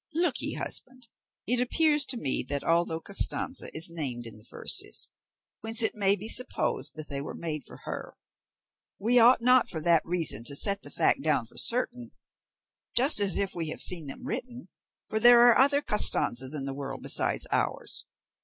"Look ye, husband, it appears to me that although Costanza is named in the verses, whence it may be supposed that they were made for her, we ought not for that reason to set the fact down for certain, just as if we had seen them written, for there are other Costanzas in the world besides ours.